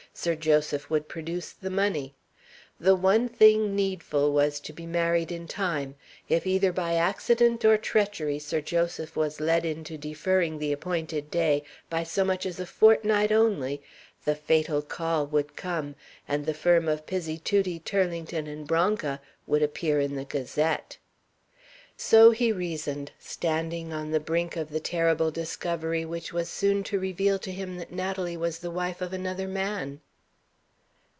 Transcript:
Sir Joseph would produce the money. The one thing needful was to be married in time. If either by accident or treachery Sir Joseph was led into deferring the appointed day, by so much as a fortnight only, the fatal "call" would come, and the firm of Pizzituti, Turlington & Branca would appear in the Gazette. So he reasoned, standing on the brink of the terrible discovery which was soon to reveal to him that Natalie was the wife of another man.